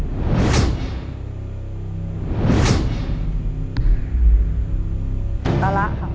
คุณยายแจ้วเลือกตอบจังหวัดนครราชสีมานะครับ